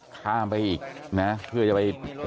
ข้ามไปอีกนะเพื่อจะไป